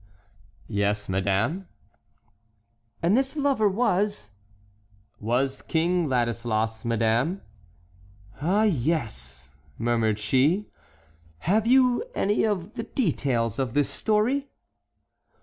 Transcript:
"Yes, madame." "And this lover was"— "Was King Ladislas, madame." "Ah, yes!" murmured she; "have you any of the details of this story?"